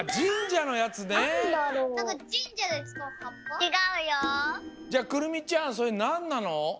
じゃあくるみちゃんそれなんなの？